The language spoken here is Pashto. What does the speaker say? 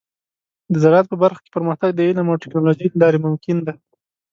د زراعت په برخه کې پرمختګ د علم او ټیکنالوجۍ له لارې ممکن دی.